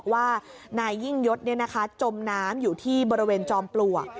ว่านายยิ่งยศจมน้ำอยู่ที่บริเวณจอมปลวก